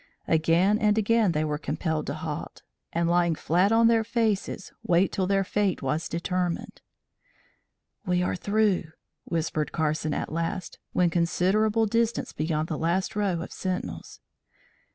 Again and again they were compelled to halt, and lying flat on their faces, wait till their fate was determined. "We are through," whispered Carson at last, when considerable distance beyond the last row of sentinels.